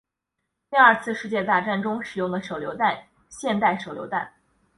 第二次世界大战中使用的手榴弹现代手榴弹